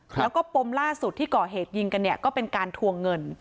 แล้วก็ปมล่าสุดที่ก่อเหตุยิงกันเนี่ยก็เป็นการทวงเงิน